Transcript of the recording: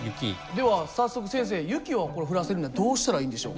では早速先生雪を降らせるにはどうしたらいいんでしょうか？